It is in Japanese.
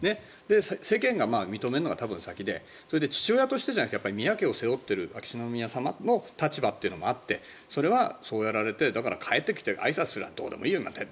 世間が認めるのは多分先で父親としてだけじゃなくて宮家を背負ってる秋篠宮様の立場というのもあってそれはそうやられてだから、帰ってきてあいさつするってこともいいよ